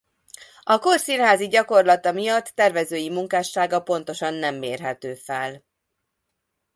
A kor színházi gyakorlata miatt tervezői munkássága pontosan nem mérhető fel.